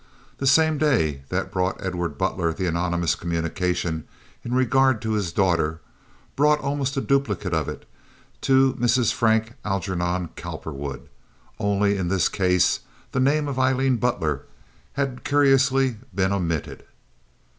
The same day that brought Edward Butler the anonymous communication in regard to his daughter, brought almost a duplicate of it to Mrs. Frank Algernon Cowperwood, only in this case the name of Aileen Butler had curiously been omitted.